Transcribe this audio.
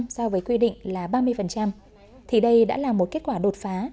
so với quy định là ba mươi thì đây đã là một kết quả đột phá